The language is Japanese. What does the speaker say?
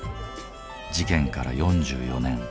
事件から４４年。